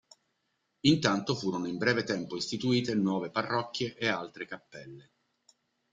Intanto furono in breve tempo istituite nuove parrocchie e altre cappelle.